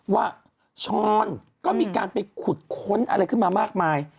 ว่าช้อนก็มีการไปขุดค้นอะไรขึ้นมามากมาย